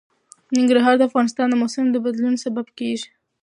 ننګرهار د افغانستان د موسم د بدلون سبب کېږي.